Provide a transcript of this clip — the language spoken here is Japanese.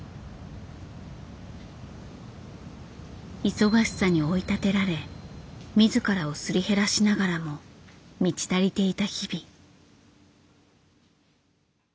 忙しさに追いたてられ自らをすり減らしながらも満ち足りていた日々。